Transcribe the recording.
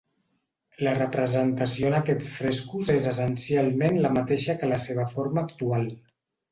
La representació en aquests frescos és essencialment la mateixa que la seva forma actual.